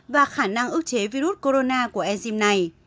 và khả năng ước chế virus corona của egym này